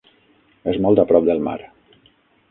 És molt a prop del mar.